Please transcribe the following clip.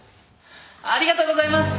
ありがとうございます！